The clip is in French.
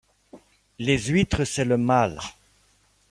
les huîtres c'est le mal.